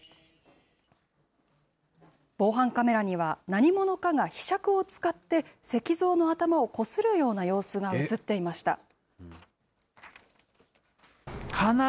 防犯カメラには、何者かがひしゃくを使って、石像の頭をこするような様子が写っていました。